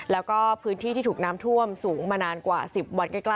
แล้วก็พื้นที่ที่ถูกน้ำท่วมสูงมานานกว่า๑๐วันใกล้